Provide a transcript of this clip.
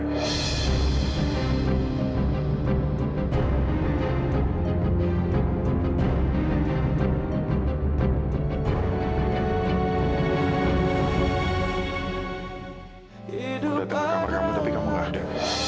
aku dateng ke kamar kamu tapi kamu gak ada